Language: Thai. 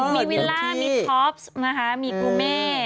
มีวีล่ามีท็อปซ์มีกุแม่